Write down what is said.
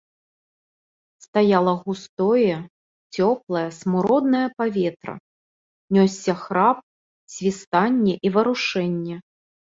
Стаяла густое цёплае смуроднае паветра, нёсся храп, свістанне і варушэнне.